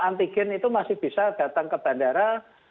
antigen itu masih bisa datang ke bandara